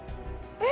えっ！